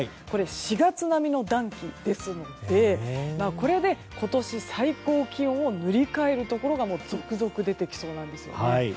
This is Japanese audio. これ、４月並みの暖気ですのでこれで今年最高気温を塗り替えるところが続々、出てきそうなんですね。